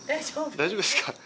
大丈夫ですか？